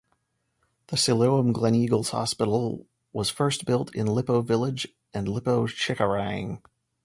The Siloam Gleneagles Hospital was first built in Lippo Village and Lippo Cikarang.